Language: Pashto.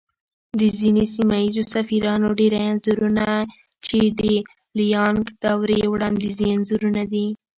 د ځينې سيمه ييزو سفيرانو ډېری انځورنه چې د ليانگ دورې وړانديزي انځورونه دي